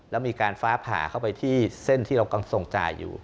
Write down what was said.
แล้วมีการฟ้าผ่าเข้าไปที่เส้นที่เรากำลังส่งจ่ายอยู่